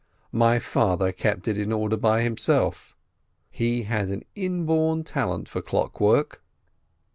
My father kept it in order himself, he had an inborn talent for clock work.